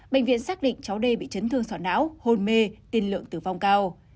bệnh viện xác định cháu d bị chấn thương sọt não hôn mê tiền lượng tử vong cao